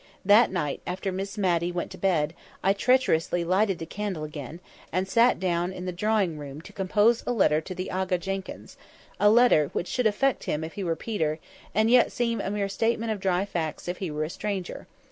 That night, after Miss Matty went to bed, I treacherously lighted the candle again, and sat down in the drawing room to compose a letter to the Aga Jenkyns, a letter which should affect him if he were Peter, and yet seem a mere statement of dry facts if he were a stranger.